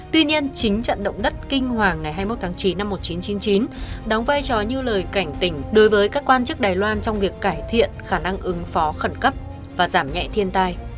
tuy nhiên chính trận động đất kinh hoàng ngày hai mươi một tháng chín năm một nghìn chín trăm chín mươi chín đóng vai trò như lời cảnh tỉnh đối với các quan chức đài loan trong việc cải thiện khả năng ứng phó khẩn cấp và giảm nhẹ thiên tai